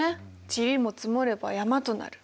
「ちりも積もれば山となる」。